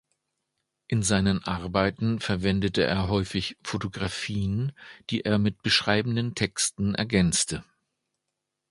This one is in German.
In seinen Arbeiten verwendete er häufig Fotografien, die er mit beschreibenden Texten ergänzte.